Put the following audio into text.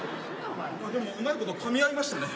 まあでもうまいことかみ合いましたね。